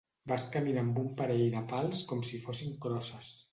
Vas caminar amb un parell de pals com si fossin crosses.